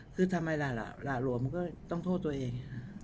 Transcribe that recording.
คือทำไมล่ะหลวมก็ต้องโทษตัวเอง